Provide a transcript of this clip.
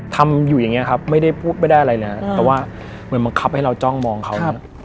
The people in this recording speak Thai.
ทำอยู่อย่างเงี้ครับไม่ได้พูดไม่ได้อะไรเลยครับแต่ว่าเหมือนบังคับให้เราจ้องมองเขา